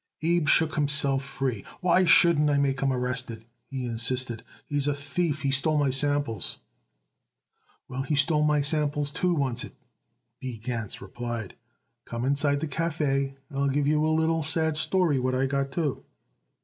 Abe shook himself free. "Why shouldn't I make him arrested?" he insisted. "He's a thief. He stole my samples." "Well, he stole my samples, too, oncet," B. Gans replied. "Come inside the café and I'll give you a little sad story what I got, too."